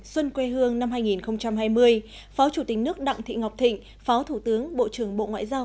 xuân quê hương năm hai nghìn hai mươi phó chủ tịch nước đặng thị ngọc thịnh phó thủ tướng bộ trưởng bộ ngoại giao